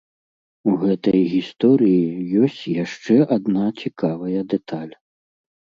У гэтай гісторыі ёсць яшчэ адна цікавая дэталь.